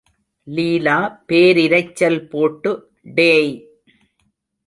லீலா பேரிரைச்சல் போட்டு டேய்!